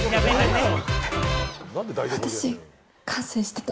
私、感染してた。